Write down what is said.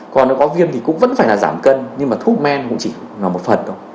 còn nó có viêm thì cũng vẫn phải là giảm cân nhưng mà thuốc men cũng chỉ là một phần thôi